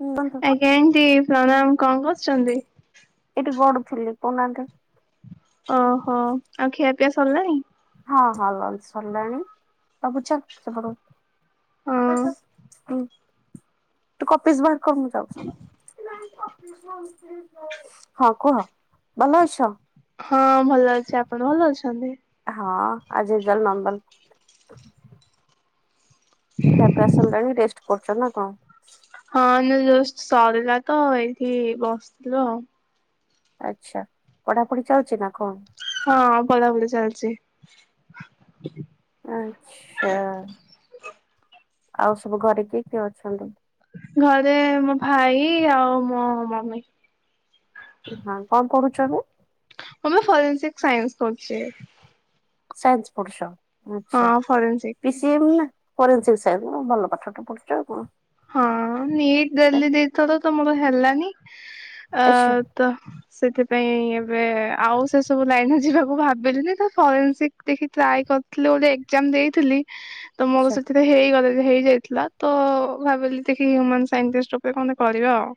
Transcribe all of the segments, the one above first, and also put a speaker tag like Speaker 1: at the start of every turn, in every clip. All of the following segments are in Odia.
Speaker 1: ହୁଁ, [inaudible]
Speaker 2: କେମତି ପ୍ରଣାମ କଣ କର ଛନ୍ତି।
Speaker 1: ଏଇଠି ଗଡୁଥିଲି କହୁନାହାନ୍ତି।
Speaker 2: ଓହୋ ଆଉ ଖିଆ ପିଆ ସରଲାଣି।
Speaker 1: ହଁ ହଁ ଲଞ୍ଚ୍ ସରିଲାଣି ବାବୁ ଚାଲ୍ ସେପଟକୁ।
Speaker 2: ହଁ
Speaker 1: ତୁ କପିସ୍ ବାହାର କହ ମୁଁ ଯାଉଛି। ହଁ କୁହ, ଭଲ ଅଛ?
Speaker 2: ହଁ ଭଲ ଅଛି ଆପଣ ଭଲ ଅଛନ୍ତି?
Speaker 1: ହଁ ଆଜି ଜାଲ ନନ୍ଦଲ ଖିଆପିଆ ସରିଲାଣି ରେଷ୍ଟ କରୁଛ ନା କଣ?
Speaker 2: ହଁ ଏଇନା ଜଷ୍ଟ ସରିଲା ତ ଏଇଠି ବସିଥିଲୁ ଆଉ।
Speaker 1: ଆଚ୍ଛା ପଢ଼ାପଢି଼ ଚାଲଛି ନା କଣ?
Speaker 2: ହଁ ପଢ଼ାପଢି଼ ଚାଲିଛି।
Speaker 1: ଆଚ୍ଛା ଆଉ ସବୁ ଘରେ କିଏ କିଏ ଅଛନ୍ତି?
Speaker 2: ଘରେ ମୋ ଭାଇ ଆଉ ମୋ ମମି।
Speaker 1: ହଁ କଣ ପଢ଼ୁଛ ଏବେ?
Speaker 2: [inaudible] ଫରେନ୍ସିକ ସାଇନ୍ସ କରୁଚି।
Speaker 1: ସାଇନ୍ସ ଫୁଡ଼ୁଛ
Speaker 2: ହଁ
Speaker 1: ଆଛା
Speaker 2: ଫରେନ୍ସିକ।
Speaker 1: ପିସି ସିଏ ନା ଫରେନ୍ସିକ୍ ସାଇନ୍ସ ହଁ ଭଲ ପାଠ ଟେ ପଢୁଛ ଆଉ କଣ।
Speaker 2: ହଁ ନିଟ୍ ଦେଲି ଦିଇଥର ତ ମୋର ହେଲାନି ଅ
Speaker 1: ଆଚ୍ଛା
Speaker 2: ତ ସେଥିପାଇଁ ଏବେ ଆଉ ସେ ସବୁ ଲାଇନରେ ଯିବାକୁ ଭାବିଲିନି ତ ଫରେନ୍ସିକ ଦେଖି ଟ୍ରାଏ କରିଥିଲି ଗୋଟେ ଏକ୍ଜାମ ଦେଇଥିଲି। ତ
Speaker 1: ଆଚ୍ଛା
Speaker 2: ମୋର ସେଥିରେ ହେଇଗଲା ହେଇଯାଇଥିଲା ତ ମୁଁ ଭାବିଲି ଦେଖି ହ୍ୟୁମାନ ସାଇଣ୍ଟିଷ୍ଟ ଉପରେ କଣ ଟିକେ କରିବା ଆଉ।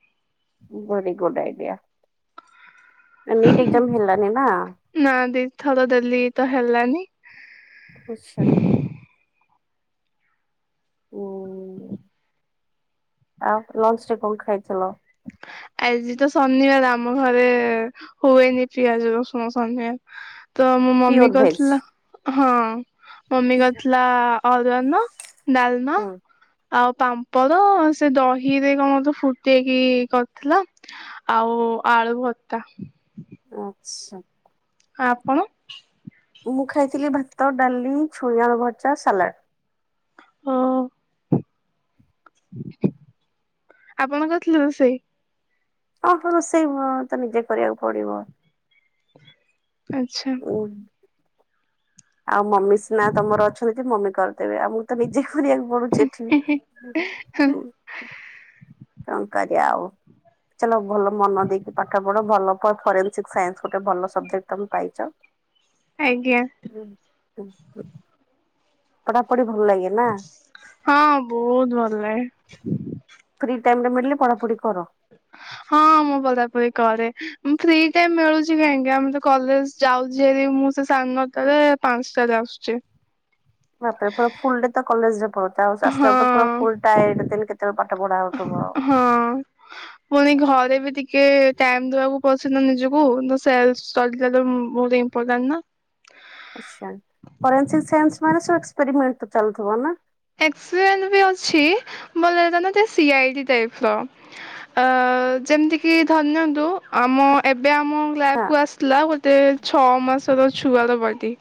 Speaker 1: Very good idea. NEET exam ହେଲାନି ନା।
Speaker 2: ନା ଦିଥର ଦେଲି ତ ହେଲାନି।
Speaker 1: ଆଛା। ହୁଁ। ଆଉ ଲଞ୍ଚ ରେ କଣ ଖାଇଥିଲ?
Speaker 2: ଆଜି ତ ଶନିବାର ଆମ ଘରେ ହୁଏନି ପିଆଜ ରସୁଣ ଶନିବାର। ତ ମୋ ମମି
Speaker 1: ପିଓର ଭେଜ?
Speaker 2: କରିଥିଲା ହଁ ମମି କରିଥିଲା ଅରୁଆ ଅନ୍ନ। ଡାଲମା
Speaker 1: ହୁଁ
Speaker 2: ଆଉ ପାମ୍ପଡ ସେ ଦହି ରେ କଣ ଫୁଟେଇକି କରି ଥିଲା ଆଉ ଆଳୁ ଭର୍ତା।
Speaker 1: ଆଚ୍ଛା।
Speaker 2: ଆପଣ?
Speaker 1: ମୁଁ ଖାଇଥିଲି ଭାତ ଡାଲି ଛୁଇଁ ଆଳୁ ଭଜା ସାଲାଡ।
Speaker 2: ହଁ। ଆପଣ କରିଥିଲେ ରୋଷେଇ।
Speaker 1: ହଁ ତ ରୋଷେଇ ଭ ତ ନିଜେ କରିବାକୁ ପଡି଼ବ।
Speaker 2: ଆଚ୍ଛା।
Speaker 1: ଉଁ। ଆଉ ମମି ସିନା ତମର ଅଛନ୍ତି ମମି କରିଦେବେ ଆଉ ମୁଁ ତ ନିଜେ କରିବାକୁ ପଡୁଛି ଏଠି। କଣ କରିବା ଆଉ ଚାଲ ଭଲ ମନ ଦେଇକି ପାଠ ପଢ଼ ଭଲ କ ଫରେନ୍ସିକ୍ ସାଇନ୍ସ ଗୋଟେ ଭଲ ସବଜେକ୍ଟ ତମେ ପାଇଛ।
Speaker 2: ଆଜ୍ଞା।
Speaker 1: ହୁଁ। ହୁଁ ପା। ପଢ଼ା ପଢି଼ ଭଲ୍ ଲାଗେ।
Speaker 2: ହଁ ବହୁତ୍ ଭଲ ଲାଗେ।
Speaker 1: ଫ୍ରୀ ଟାଇମ୍ ଟେ ମିଳିଲେ ପଢ଼ାପଢ଼ି କର।
Speaker 2: ହଁ ମୁଁ ପଢ଼ାପଢି଼ କରେ ମୁଁ ଫ୍ରି ଟାଇମ୍ ମିଳୁଛି କାହିଁକି ଆମର ତ କଲେଜ ଯାଉଛି ହେରି ମୁଁ ସେ ସାଢ଼େ ନଅଟାରେ ପାଞ୍ଚଟାରେ ଆସୁଛି।
Speaker 1: ମତେ ତ ଫୁଲ୍ ଡେ ତ କଲେଜରେ। ଓଦା ବର୍ଷା ଆସ୍ତା ଉରାକୁ ତ ପୁରା
Speaker 2: ହଁ
Speaker 1: ଫୁଲ୍ ଟାଏଡେ ଦେଲେ କେତେବେଳେ ପାଠ ପଢା ହଉଥିବ ଆଉ।
Speaker 2: ହୁଁ। ପୁଣି ଘରେ ବି ଟିକେ ଟାଇମ୍ ଦବାକୁ ପଡୁଚିନା ନିଜକୁ ଦ ସେଲ୍ଫ ଷ୍ଟଡି ଟା ଯୋଉ ମୁଁ ଟିକେ ଇପୋଟାନ୍‌ ନା।
Speaker 1: ଆଛା ଫରେନ୍ସିକ ସାଇନ୍ସ ମାନେ ସଷ୍କ ଏକ୍ସପେରିମେଣ୍ଟ ତ ଚାଲୁଥିବ ନା।
Speaker 2: ଏକ୍ସପେଏନ୍ ବି ଅଛି ଭଲ ଲାଗିଲାନା ଟା ସିଆଇଡି ଟାଇପ୍ ର। ଅ ଯେମିତି କିି ଧରିନିଅନ୍ତୁ ଆମ ଏବେ ଆମ
Speaker 1: ହଁ
Speaker 2: କ୍ଲାସକୁ ଆସିଥିଲା ଗୋଟେ ଛଅ ମାସର ଛୁଆର ବାର୍ଡେ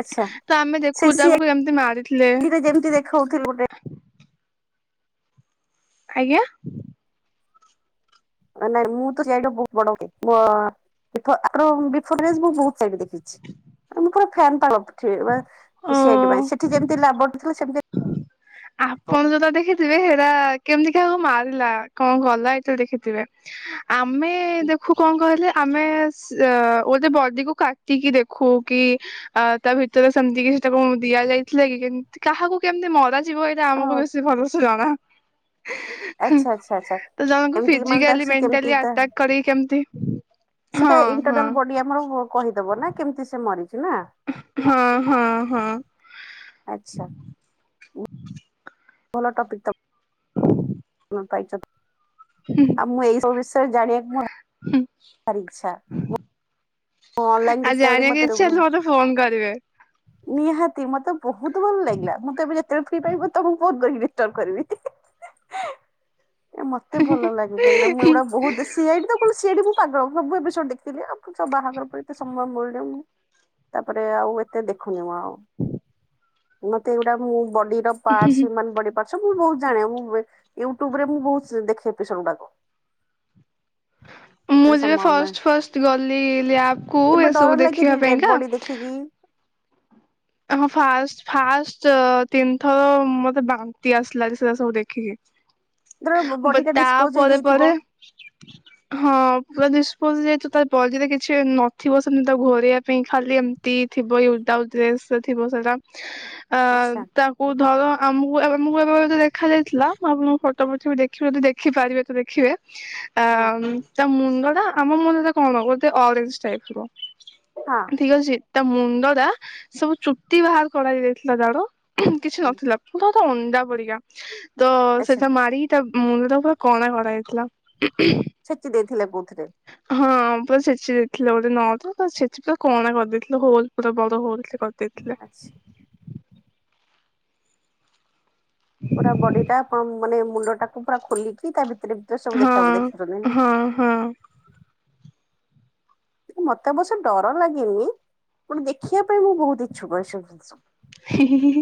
Speaker 1: ଆଚ୍ଛା ସେ
Speaker 2: ଦେଖୁ ତାକୁ କେମିତି ମାରିଥିଲେ
Speaker 1: ସିଆଡି ରେ ଯେମିତି ଦେଖଉଥିଲି ଗୋଟେ
Speaker 2: ଆଜ୍ଞା।
Speaker 1: ନାଇଁ ମୁଁତ ସିଆଡିର ବହୁତ ବଡ ଗୋଟେ ବ ଆଙ୍କର ବିଫର ଏଜ୍‌ ମୁଁ ବହୁତ୍ ସିଆଡି ଦେଖେ। ମୁଁ ପୁରା ଫ୍ୟାନ ପାଗଳପ୍ ଥିଏ
Speaker 2: ଓ
Speaker 1: ମାନେ ସିଆଡି ପାଇଁ ସେଠି ଯେମିତି ଲାର୍ବଟ ଥିଲା ସେମିତି
Speaker 2: ଆପଣ ଯୋଉଟା ଦେଖିଥିବେ ହେରା କେମିତି କାହାକୁ ମାରିଲା କଣ ଗଲା ଏଇଟା ଦେଖିଥିବେ ଆମେ ଦେଖୁ କଣ କହିଲେ ଆପ୍ ଆମେ ସେ ଆ ଗୋଟେ ବଡିକୁ କାଟିକିି ଦେଖୁ କି ଆ ତାଭିତରେ ସେମିତି କିଛି ସେଟାକୁ ଦିଆଯାଇଥିଲାକି କେମତି କାହାକୁ କେମିତି ମରାଯାଏ। ଯିଏ କହିବ ଏଇଟା
Speaker 1: ଓ
Speaker 2: ଆମକୁ ବେଶୀ ଭଲସେ ଜଣା
Speaker 1: ଆଚ୍ଛା ଆଚ୍ଛା ଆଚ୍ଛା।
Speaker 2: ତ ଜଣଙ୍କୁ
Speaker 1: ଏମିତି ମାନେ ତା
Speaker 2: ଫିଜିକାଲି
Speaker 1: ସେ କେମିତି
Speaker 2: ମେଣ୍ଟାଲି
Speaker 1: ତା
Speaker 2: ଆଟାକ୍ କରି କି କେମତି
Speaker 1: ସେଟା ଇଣ୍ଟରନାଲ ବଡି ଆମର ବୋ କହିଦବନା କେମିତି ସେ ମରିଚିନା। ଆଚ୍ଛା।
Speaker 2: ହଁ-ହଁ-ହଁ।
Speaker 1: ଭଲ ଟପିକ୍ ତ। କଣ ପାଇଚ।
Speaker 2: ହୁଁ।
Speaker 1: ଆଉ ମୁଁ ଏଇ ସବୁ ବିଷୟରେ ଜାଣିବାକୁ ମୁଁ ଆ
Speaker 2: ହୁଁ।
Speaker 1: ତାରି ଇଚ୍ଛା। ମୁଁ ଅନଲାଇନ
Speaker 2: ଆଉ
Speaker 1: ଯେତେବେଳେ ମତେ
Speaker 2: ଜାଣିବାକୁ ଇଚ୍ଛା
Speaker 1: ରୋଗ
Speaker 2: ହେଲେ ମତେ ଫୋନ କରିବେ।
Speaker 1: ନିହାତି ମତେ ବହୁତ୍ ଭଲ ଲାଗିଲା ମୁଁ ତ ଏବେ ଯେତେ ବେଳେ ଫ୍ରି ପାଇବି ତମକୁ ଫୋନ କହିବି। ଡିଷ୍ଟ୍ରର୍ବ କରିବି ମତେ ଭଲ ଲାଗୁଚି କାଇଁକିନା ମୁଁ ଏଗୁଡା ବହୁତ୍ ଶିଖ୍ ସିଆଡି ତ କୁହନ୍ତି ସିଆଡି ମୁଁ ପାଗଳ ସବୁ ଏପିଷୋଢ ଦେଖିଥିଲି ଆପ୍ ସବୁ ବାହାଘର ପରେ ଏତେ ସମୟ ମୁଳିଲେ ମୁଁ ତାପରେ ଆଉ ଏତେ ଦେଖୁନି ମୁଁ ଆଉ
Speaker 2: [inaudible]
Speaker 1: ମତେ ଏଗୁଡା ମୁଁ ବଡିର ପାର୍ଟସ ମାନେବଡି ପାର୍ଟସ ସବୁ ବହୁତ ଜାଣେ ମୁଁ ୟୁଟ୍ୟୁବ ରେ ମୁଁ ବହୁ ଦେଖେ ଏପିସୋଡ ଗୁଡା [inaudible]
Speaker 2: ମୁଁ
Speaker 1: କିଛି
Speaker 2: ଯେବେ ଫାଷ୍ଟ
Speaker 1: ସମୟପାଇଁ
Speaker 2: ଫାଷ୍ଟ ଗଲି ଲ୍ୟାବକୁ
Speaker 1: କେବେ
Speaker 2: ଏସବୁ
Speaker 1: ଡର
Speaker 2: ଦେଖିବା
Speaker 1: ଲାଗେନି
Speaker 2: ପାଇଁକା
Speaker 1: ଡେଡବଡି ଦେଖିକି
Speaker 2: ଆ ହ ଫାଷ୍ଟ ଫାଷ୍ଟ ତିନି ଥର ମତେ ବାନ୍ତି ଆସିଲା ସେରା ସବୁ ଦେଖିକି
Speaker 1: ଧର
Speaker 2: ବ
Speaker 1: ବଡିଟା ଡିସପୋଜ
Speaker 2: ତାପରେ ପରେ
Speaker 1: ହେଇଯାଇଥିବ।
Speaker 2: ପରେ ହଁ ପୁରା ଦିସପୋଜ ଯେହତୁ ତାବଡିରେ କିଛି ନଥିବ ସେମିତା ଘୋରେଇବା ପାଇଁ ଖାଲି ଏମତି ଟି ଥିବ ୟୁଜ ଡେସ ଥିବ ସେଟା ଅ
Speaker 1: ଆଚ୍ଛା
Speaker 2: ତାକୁ ଧର ଆମକୁ ଆମକୁ ଏବେତ ଦେଖା ଯାଇଥିଲା ମୁଁ ଆପଣଙ୍କ ଫଟୋ ପଠେଇବି ଦେଖିବେ ଯଦି ଦେଖିପାରିବେତ ଦେଖିବେ
Speaker 1: [inaudible]
Speaker 2: ଆ ତା ମୁଣ୍ଡଟା ଆମ ମୁଣ୍ଡଟା କଣ ଗୋଟେ ଅରେଚ ଟାଇପର
Speaker 1: ହଁ,
Speaker 2: ଠିକ ଅଛି ତା ମୁଣ୍ଡଟା ସବୁ ଚୁଟି ବାହାର କରାଯାଇଥିଲା ତାର କିଛି
Speaker 1: ହଁ
Speaker 2: ନଥିଲା ପୁରାତ ଅଣ୍ଡା ପରିକା ତ
Speaker 1: ଆଚ୍ଛା
Speaker 2: ସେଟା ମାରିକ ତା ମୁଣ୍ଡଟା ପୁରା କଣା କରାଯାଇଥିଲା।
Speaker 1: ଛେଚି ଦେଇଥିଲେ କଉଥିରେ
Speaker 2: ହଁ ପୁରା ଛେଚି ଦେଇଥିଲେ ଗୋଟେ ନଟରେ ଛେଚି ପୁରା କଣା କରିଦେଇଥିଲ ହୋଲ ପୁରା ବଡ ହୋଲ କରିଥିଲେ। ଦେଖିଲା
Speaker 1: ଆଚ୍ଛା ପୁରା ବଡିଟା ଆପଣ ମାନେ ମୁଣ୍ଡ ଟାକୁ ପୁରା ଖୋଲିକି ତା ଭିତରେ ଭିତରେ ସବୁ ଦେଖହୁଏ ଦେଖି
Speaker 2: ହଁ ହଁ ହଁ,
Speaker 1: ମତେ ଏବସ ଡର ଲାଗେନି ପୁଣି ଦେଖିବା ପାଇଁ ମୁଁ ବହୁତ ଇଛୁକଏ ସବୁ ଜିନିଷ
Speaker 2: ହି ହି ହିଁ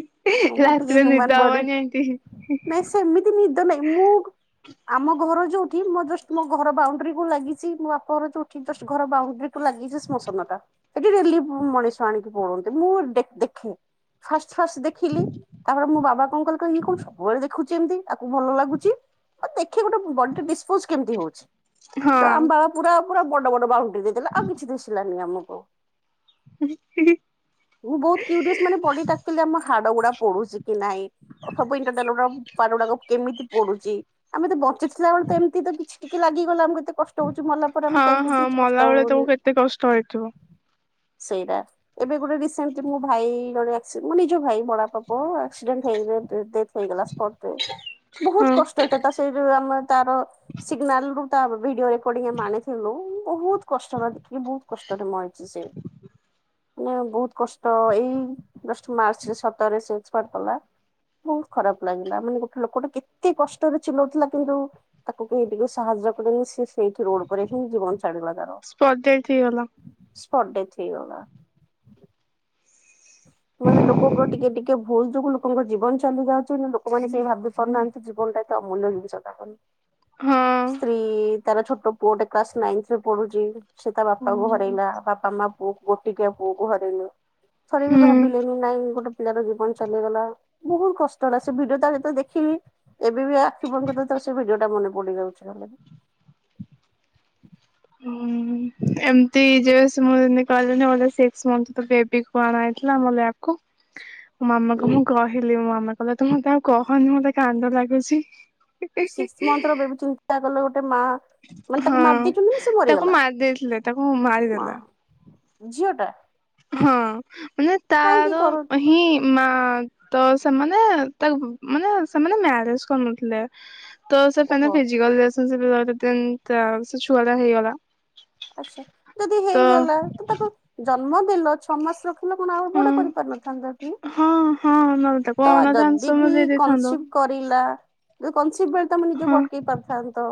Speaker 1: ମୋର ଟିକେ
Speaker 2: ରାତିରେ
Speaker 1: ହ୍ୟୁମାନ ବଡି
Speaker 2: ନିଦହବନି ଏମିତି
Speaker 1: ନାଇଁ ସେମିତି ନିଦ ନାହିଁ ମୁଁ ଆମ ଘର ଯୋଉଠି ମୋ ଜଷ୍ଟ ମୋ ଘର ବାଉଣ୍ଡରି କୁ ଲାଗିଛି ମୋ ବାପ ଘର ଯୋଉଠି ଜଷ୍ଟ ଘର ବାଉଣ୍ଡରି କୁ ଲାଗିଛି ସ୍ମମଶାନ ଟା ସେଠି ଡେଲି ମଣିଷ ଆଣିକି ପଡନ୍ତି ମୁଁ ଦେଖେ ଫାଷ୍ଟ ଫାଷ୍ଟ ଖିଲି ତାପରେ ମୋ ବାବା କଣ କହିଲି କହ ଇଏ କଣ ସବୁବେଳେ ଦେଖୁଛି ଏମିତି ତାକୁ ଭଲ ଲାଗୁଛି। ଆ ଦେଖେ ଗୋଟେ ବଡି ଡିସପୋଜ କେମିତି ହୋଉଛି ତ ଆମ
Speaker 2: ହଁ
Speaker 1: ବାବା ପୁରା ପୁରା ବଡ ବଡ ବାହୁ ସେ ଦେଇଦେଲା ଆଉ କିଛି ଦୁଶିଲାନି ଆମକୁ।
Speaker 2: [unintelligible]
Speaker 1: ମୁଁ ବୋହୁତକ୍ୟୁଡିସ ମାନେ ବଡି କଥିଲ ଆମ ହାଡ ଗୁଡା ପଢୁଛି। କି ନାହିଁ ଅସବୁ ଇଣ୍ଟରଟାଲ୍ ଗୁଡ଼ା ପାଟ ଗୁଡାକ କେମିତି ପଡୁଛି ଆମେ ତ ଚି ଥିଲା ବେଳେ ତ ଏମିତି ତ କିଛିି ଟିକେ ଲାଗିଗଲା ଆମତେ କଷ୍ଟ ହୋଉଛି ମଲା ପରେ
Speaker 2: ହଁ
Speaker 1: ଆମ କାହିଁକି
Speaker 2: ହଁ
Speaker 1: ଯଛି
Speaker 2: ମଲା
Speaker 1: କଷ୍ଟ
Speaker 2: ବେଳେ ତାକୁ
Speaker 1: ହୋଉନି।
Speaker 2: କେତେ କଷ୍ଟ ହେଇଥିବ।
Speaker 1: ସେଇରା ଏବେ ଗୋଟେ ରିସେଣ୍ଟଲି ମୋ ଭାଇ ଜଣେ ଆସି ଜ ଭାଇ ବଡଆପା ପୁଅ ଆକ୍ସିଡେଣ୍ଟ ହେଇଗ ଡେଥ ଡେଥ ହେଇଗଲା ସ୍ପଟ୍ ଡେଥ ବୋହୁତ
Speaker 2: ହଁ
Speaker 1: କସ ସେଇ କଥା ସୁଇବି ଆମେ ତାର ସିଗ୍ନାଲ ରୁ ତା ଭିଡିଓ ରେକର୍ଡି ଆମେ ଆଣିଥିଲୁ ବହୁତ କଷ୍ଟରେ ଦେଖିଲି ବହୁତ କଷ୍ଟରେ ମ ସେ ମାନେ ବୋହୁତ କଷ୍ଟ ଏଇ ଦଶା ମାର୍ଚ୍ଚରେ ସତରେ ସେ ଏକ୍ସପାର୍ଟ କଲା। ବୋହୁତ ଖରାପ ଲାଗିଲା ମାନେ ଗୋଟେ ଲୋକୋ ଟେ କେତେ କଷ୍ଟରେ ଚିଲୋଉଥିଲା କିନ୍ତୁ ତାକୁ କେହି ଟିକି ସାହାଯ୍ୟ କଲେନି ସିଏ ସେଇଠି ରୋଡ ଉପରେ ହିଁ ଜୀବନ ଛାଡ଼ିଲା।
Speaker 2: ସ୍ପଟ୍ ଡେଥ ହେଇଗଲା।
Speaker 1: ସ୍ପଟ୍ ଡେଥ ହେଇଗଲା। ମାନେ ଲୋକୋଙ୍କ ଟିକେ ଟିକେ ଭୁଲ ଯୋଗୁ ଲୋକୋଙ୍କ ଜୀବନ ଚାଲୁ ଯାଉଛି ନା ଲୋକମାନେ ଭାବୁ ପାରୁନାହାନ୍ତି ଜୀବନଟା ଏତେ ଅମୂଲ୍ୟ ଜିନ୍ସଟା ବୋଲି।
Speaker 2: ହୁଁ।
Speaker 1: କି ତାର ଛୋଟୋ ପୁଅଟେ କ୍ଲାସ ନାଇନ୍ଥରେ ପଢୁଛି ସେ ତା ବାପା କୁ
Speaker 2: ହୁଁ
Speaker 1: ହରେଇଲା ବାପା ମା ପୁଅକୁ ଗୋଟିକିଆ ପୁଅକୁ ହରେଇଲେ ଥରେ ବି ଭାବୁ
Speaker 2: ହୁଁ
Speaker 1: ଗୋଟେ ପିଲାର ଜୀବନ ଚାଲିଗଲା ବୋହୁତ କଷ୍ଟ ହେଲା ସେ ଭିଡିଓ ତାର ଯେତେବେଳେ ଦେଖିବି ଏବେ ବି ଆ ଖି ବନ୍ଦ କରିଦେଲେ ତାର ସେ ଭିଡିଓ ଟା ମନେ ପଡିଯାଉଛି ଖାଲି। [inaudible]
Speaker 2: ଏମିତି ଯେବେ ସେ ମତେ ଏମିତି କହିଲେନି ଓନ୍ଲି ସିକ୍ସ ମନ୍ଥ ବେବି କୁ ଆଣା ହୋଇଥିଲା ଆମ ଲାବକୁ।
Speaker 1: [inaudible]
Speaker 2: ମୋ ମାମା କୁ ମୁଁ କହିଲି ମୋ ମାମା କହିଲା ତୁ ମତେ ଆଉ କହନି ମତେ କାନ୍ଦ ଲାଗୁଛି।
Speaker 1: ସିକ୍ସ ମନ୍ଥର ବେବୀ ଚିନ୍ତା କଲ ଗୋଟେ ମାଆ ମାନେ ତାକୁ ମାରି
Speaker 2: ହଁ
Speaker 1: ଦେଇଚନ୍ତି ନା ସେ
Speaker 2: ତାକୁ
Speaker 1: ମରିଗଲା
Speaker 2: ମାରି ଦେଇଥିଲେ ତାକୁ
Speaker 1: ମା
Speaker 2: ମାରିଦେଲା
Speaker 1: ଝିଅ ଟା?
Speaker 2: ହଁ ମାନେ
Speaker 1: କାହିଁକି
Speaker 2: ତାର
Speaker 1: କର
Speaker 2: ହିଁ ମା ତ ସେମାନେ ତାକୁ ମାନେ ସେମାନେ ମ୍ୟାରେଜ କରିନଥିଲେ। ତ ସେମାନେ
Speaker 1: ଓହୋ
Speaker 2: ଫିଯିକାଲ ରିଲେସନସିପ୍ ରେ ରହିଲେ ଦେନ୍ ତା ତ ସେ ଛୁଆ ଟା ହେଇଗଲା।
Speaker 1: ଆଚ୍ଛା ଯଦି
Speaker 2: ତ
Speaker 1: ହେଇଗଲା ତ ତାକୁ ଜନ୍ମ ଦେଲ ଛଅ ମାସ ର ତମେ କଣ ଆଉ
Speaker 2: ହଁ
Speaker 1: ବଡ କରିପାରିନଥାନ୍ତା କି?
Speaker 2: ହଁ ହଁ ନହେଲେ ତାକୁ
Speaker 1: ତ
Speaker 2: ଅନାଥ
Speaker 1: ଯଦି
Speaker 2: ଆଶ୍ରମ
Speaker 1: ବି
Speaker 2: ଦେଇ ଦେଇଥାନ୍ତ
Speaker 1: କନ୍ସିପ କରିଲା ଯ କନସିପ୍ଟ ବେଳେ ତମେ ନିଜକୁ
Speaker 2: ହଁ
Speaker 1: ଅଟକେଇ ପାରିଥାନ୍ତ।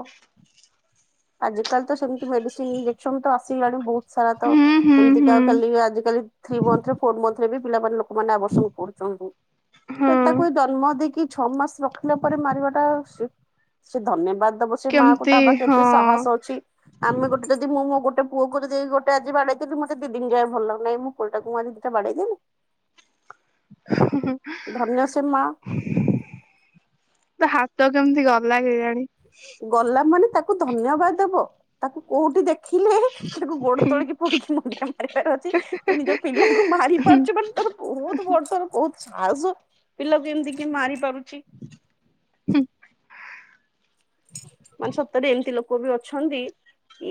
Speaker 1: ଆଜିିକାଲି ତ ସେମିତି ମେଡ଼ିସିନ୍ ଇଞ୍ଜେକସନ ତ ଆସିଲାଣି ବୋହୁତ। ସାରା ତ
Speaker 2: ହୁଁ ହୁଁ
Speaker 1: ଏମିତିକା
Speaker 2: ହୁଁ
Speaker 1: ଆଉ କାଲି ଆଜି କାଲି ଥ୍ରୀ ମନ୍ଥରେ ଫୋର୍ ମନ୍ଥରେ ବି ପିଲାମାନେ ମାନେ ଆବର୍ଶନ କରୁଛନ୍ତି।
Speaker 2: ହଁ
Speaker 1: ତ ତାକୁ ଜନ୍ମ ଦେଇକି ଛଅ ମାସ ରଖିଲା ପରେ ମାରିବା ଟା ସେ ଧନ୍ୟବାଦ ଦବ ସେ ମାଆ କୁ
Speaker 2: କେମିତି
Speaker 1: ତା ପାଖରେ
Speaker 2: ହଁ
Speaker 1: ଏତେ ସାହସ ଅଛି ଆମେ ଗୋଟେ ଯ ମୁଁ ମୋ ଗୋଟ ପୁଅକୁ ଯଦି ଗୋଟେ ଆଜି ବାଡ଼େଇ ଦେଲି ମତେ ଦିଦିନି ଯଏ ଭଲ ଲାଗୁହିଁ ମୋ ପୁଅଟାକୁ ମୁଁ ଆଜି ଦିଟା ବାଡ଼େଇ ଦେଲି। [inaudible]
Speaker 2: [unintelligible]
Speaker 1: ସେ ମା।
Speaker 2: ତା ହାତ କେମିତି ଗଲା କେଜାଣି।
Speaker 1: ଗଲା ମାନେ ତାକୁ ଧନ୍ୟବାଦ ଦବ ତାକୁ କୋଉଠି ଦେଖିଲେ ତାକୁ ଗୋଡ ତଳିକି ପଡ଼ିକି ମୁଣ୍ତିଆ ମାରିବାର ଅଛି। ତୁ ନିଜ ପିଲାଙ୍କୁ ମାରି ପାରୁଛୁ ବୋଲି ତୋର ବହୁତ ବଡ ତୋର ବହୁତ ସାହସ ପିଲାକୁ ଏମିତି କି ମାରି ପାରୁଛି।
Speaker 2: ହୁଁ।
Speaker 1: ମାନେ ସତରେ ଏମତି ଲୋକ ଲୋକ ବି ଅଛନ୍ତି।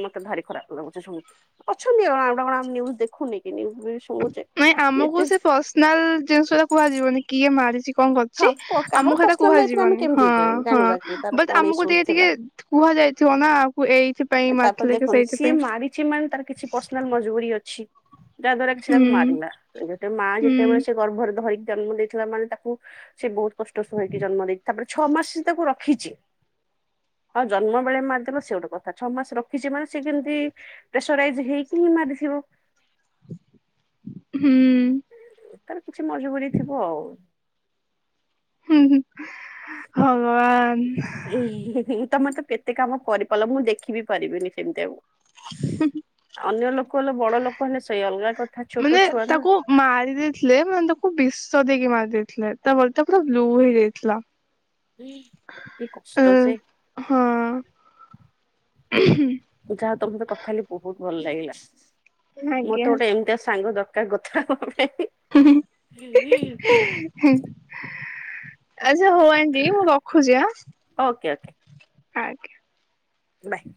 Speaker 1: ମତେ ଭାରି ଖରାପ ଲାଗୁଛେ ଶୁନିକି ଅଛନ୍ତି ଆମେ ନିୟୁଜ୍ ଦେଖୁନି କି। ନିୟୁଜ୍ ବି ଶୁଶୁଛେ।।
Speaker 2: ନାଇଁ ଆମକୁ ସେ ପର୍ସନାଲ ଜିନିଷ ଟା କୁହାଯିବନି କିଏ ମାରିଛି କଣ
Speaker 1: ହଁ
Speaker 2: କରୁଛି
Speaker 1: କାହାର
Speaker 2: ଆମକୁ କଥା
Speaker 1: ପର୍ସନାଲ ଲାଇଫରେ ଆମେ
Speaker 2: କୁହାଯିବନି
Speaker 1: କେମିତି
Speaker 2: ହଁ ହଁ
Speaker 1: ଜାଣିବା କି ତାର
Speaker 2: ବଟ
Speaker 1: କଣ
Speaker 2: ଆମକୁ
Speaker 1: ଇସୁଜ
Speaker 2: ଟିକେ
Speaker 1: ଥିଲା
Speaker 2: ଟିକେ କୁହାଯାଇଥିବ ନା ଆ ଏଇଥି ପାଇଁ
Speaker 1: ତାପରେ
Speaker 2: ମଥିଲେ କି
Speaker 1: ଦେଖନ୍ତୁ ସିଏ
Speaker 2: ସେଇଥିପାଇଁ।
Speaker 1: ମାରିଛି ମାନେ ତାର କିଛି ପର୍ସନାଲ ମଜବୁରି ଅଛି। ଯାହା ଦ୍ଵାରା କିଛି ତାକୁ
Speaker 2: ହୁଁ
Speaker 1: ମାରିଲା ଗୋଟେ ମା
Speaker 2: ହୁଁ
Speaker 1: ଯେତେବେଳେ ସେ ଗର୍ଭରେ ଧରିକି ଜନ୍ମ ଦେଇଥିଲା ମାନେ ତାକୁ ସେ ବହୁତ କଷ୍ଟ [unintelligible] ଜନ୍ମ ନେଇଛି ତାପରେ ଛଅ ମାସ ମୁଁ ତାକୁ ରଖିଛି। ହଁ ଜନ୍ମ ବେଳେ ମାରଦେଲ ସେ ଗୋଟେ କଥା ଛଅ ମାସ ରଖିଛି ମାନେ ସେ କେମିତି ପ୍ରେସରାଇଜ ହେଇକି ହିଁ ମାରିଥିବ।
Speaker 2: ହୁଁ।
Speaker 1: ତାର କିଛି ମଜବୁରି ଥିବ ଆଉ।
Speaker 2: ହୁଁମ୍ ଭଗବାନ।
Speaker 1: ତମେ ତ କେତେ କାମ କରିପାରିଲ ମୁଁ ଦେଖିବି ବି ପାରିବିନି ସେମିତି ଆଉ।
Speaker 2: [unintelligible]
Speaker 1: ଅନ୍ୟ ଲୋକ ହେଲେ ବଡ ଲୋକ ହେଲେ ସେଇ ଅଲଗା କଥା ଛୋଟ
Speaker 2: ମାନେ
Speaker 1: ଛୁଆ ନା
Speaker 2: ତାକୁ ମାରି ଦେଇଥିଲେ ମାନେ ତାକୁ ବିଷ ଦେଇକି ମାରି ଦେଇେଥିଲେ ତା [unintelligible] ପୁରା ବ୍ଲ୍ୟୁ ହେଇଯାଇଥିଲା।
Speaker 1: ଏତେ କଷ୍ଟ ସେ
Speaker 2: ହଁ
Speaker 1: ଯାହା ତମ ସତ କଥା ହେଲି ବହୁତ ଭଲ ଲାଗିଲା
Speaker 2: ଆଜ୍ଞା
Speaker 1: ମତେ ଗୋଟେ ଏମିତିଆ ସାଙ୍ଗ ଦର କାର୍ କଥା ହବା ପାଇଁ।
Speaker 2: ହୁ ହୁଁ [unintelligible] ଦି ମୁଁ ରଖୁଛି
Speaker 1: ଓକେ ଓକେ
Speaker 2: ଆଜ୍ଞା।
Speaker 1: ବାଏ।